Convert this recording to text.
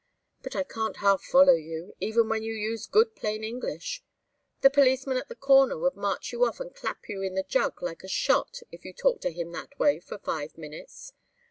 But I can't half follow you, even when you use good plain English. The policeman at the corner would march you off and clap you in the jug like a shot if you talked to him that way for five minutes.